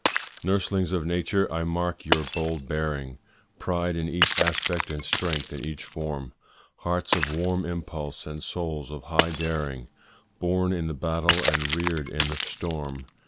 Nurslings of nature, I mark your bold bearing, Pride in each aspect and strength in each form, Hearts of warm impulse, and souls of high daring, Born in the battle and rear'd in the storm.